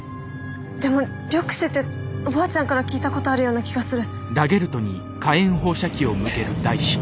でもリョクシっておばあちゃんから聞いたことあるような気がする。